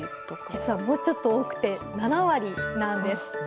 実はもうちょっと多くて７割なんです。